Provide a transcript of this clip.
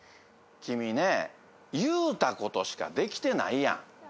君ね言うたことしかできてないやん。